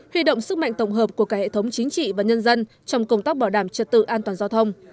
huy động sức mạnh tổng hợp của cả hệ thống chính trị và nhân dân trong công tác bảo đảm trật tự an toàn giao thông